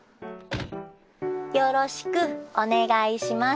よろしくお願いします。